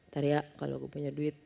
tariya kalau gue punya duit